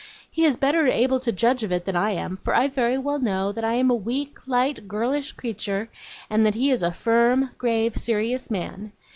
He is better able to judge of it than I am; for I very well know that I am a weak, light, girlish creature, and that he is a firm, grave, serious man.